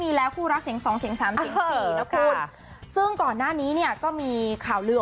ไม่มีแล้วคู่รักเสียงสองเสียงสามอันสุดซึ่งก่อนหน้านี้เนี้ยก็มีข่าวเลือก